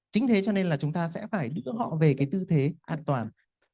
chính thế cho nên là chúng ta sẽ phải đưa họ về cái tư thế an toàn